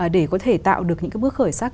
để có thể tạo được những bước khởi sắc